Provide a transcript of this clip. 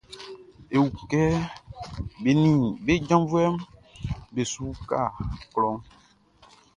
E wun kɛ be nin be janvuɛʼn be su uka klɔʼn.